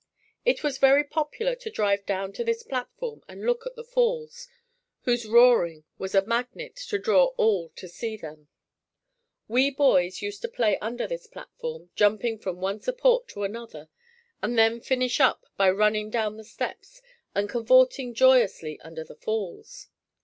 It was very popular to drive down on this platform and look at the falls, whose roaring was a magnet to draw all to see them. We boys used to play under this platform jumping from one support to another and then finish up by running down the steps and cavorting joyously under the falls.